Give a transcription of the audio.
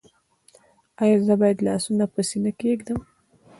ایا زه باید لاسونه په سینه کیږدم؟